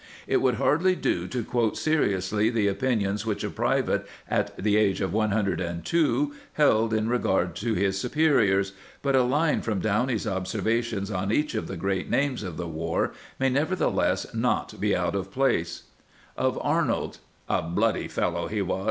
It would hardly do to quote seriously the opinions which a private at the age of one hundred and two held in regard to his superiors, but a line from Downing's observations on each of the great names of the war may, nevertheless, not be out of place : Of Arnold: A bloody fellow he was.